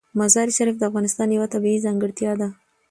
مزارشریف د افغانستان یوه طبیعي ځانګړتیا ده.